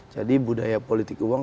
jadi budaya politik uang